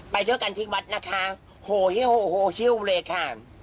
ไปช่วยกันที่วัดนะคะโฮเฮียวเลยค่ะ